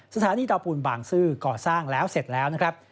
สถานีเตาปูนบางซื่อก่อสร้างแล้วเสร็จแล้วนะครับ